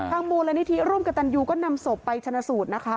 ทางมฤนนิิร่มกตันยูก็นำสมไปชันสูตรนะคะ